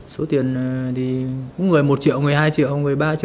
số tiền thì cũng người một triệu người hai triệu người ba triệu năm triệu bảy triệu